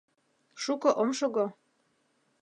Шуко ом шого.